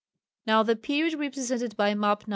Now the period represented by Map No.